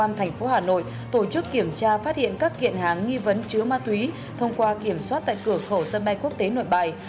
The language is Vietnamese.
công an tp hà nội tổ chức kiểm tra phát hiện các kiện hàng nghi vấn chứa ma túy thông qua kiểm soát tại cửa khẩu sân bay quốc tế nội bài